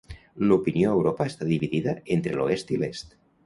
L'opinió a Europa està dividida entre l'oest i l'est.